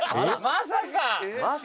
「まさか？